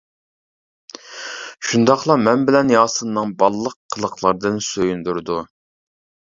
شۇنداقلا مەن بىلەن ياسىننىڭ بالىلىق قىلىقلىرىدىن سۆيۈندۈرىدۇ.